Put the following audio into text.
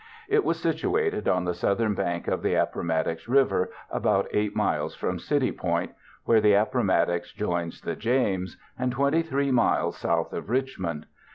It was situated on the southern bank of the Appomattox River about 8 miles from City Point, where the Appomattox joins the James, and 23 miles south of Richmond.